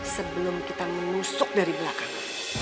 sebelum kita menusuk dari belakang